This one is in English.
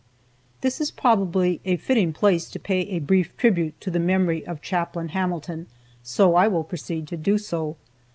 This is probably a fitting place to pay a brief tribute to the memory of Chaplain Hamilton, so I will proceed to do so.